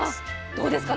どうですか？